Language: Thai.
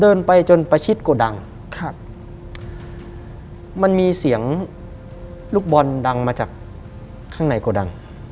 เดินไปจนประชิดโกดังครับมันมีเสียงลูกบอลดังมาจากข้างในโกดัง